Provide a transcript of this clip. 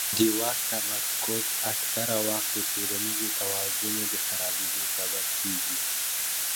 د واک تمرکز اکثره وخت د ټولنیز توازن د خرابېدو سبب کېږي